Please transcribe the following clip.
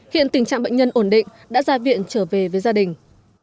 hiện tình trạng bệnh nhân ổn định đã ra viện trở về với gia đình